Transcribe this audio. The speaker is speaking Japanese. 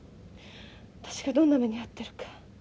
私がどんな目に遭ってるか。